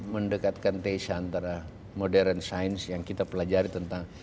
mendekatkan taste antara modern science yang kita pelajari tentang